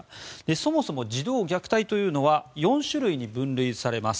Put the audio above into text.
そもそも児童虐待というのは４種類に分類されます。